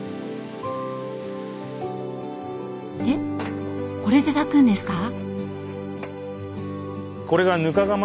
えっこれで炊くんですか？